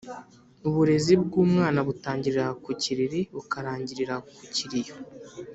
Uburezi bw’umwana butangirira ku kiriri bukarangirira ku kiriyo.